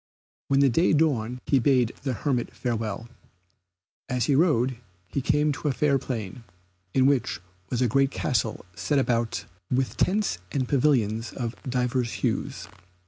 When the day dawned he bade the hermit farewell. As he rode he came to a fair plain, in which was a great castle set about with tents and pavilions of divers hues.